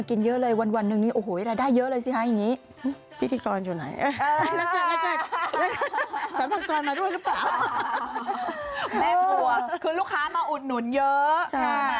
คือลูกค้ามาอุดหนุนเยอะ